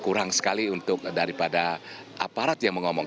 kurang sekali untuk daripada aparat yang mengomong